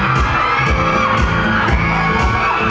ไม่ต้องถามไม่ต้องถาม